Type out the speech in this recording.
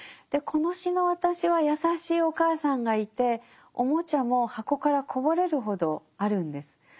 でこの詩の「私」は優しいお母さんがいて玩具も箱からこぼれるほどあるんです。